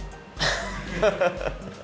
ハハハハハ。